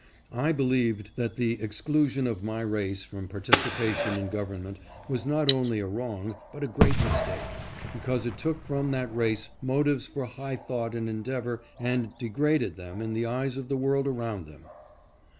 I believed that the exclusion of my race from participation in gov ernment was not only a wrong, but a great mistake, because it took from that race motives for high thought and endeavor and degraded them in the eyes of the world around them.